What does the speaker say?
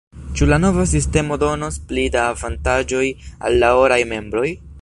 Ĉu la nova sistemo donos pli da avantaĝoj al la oraj membroj?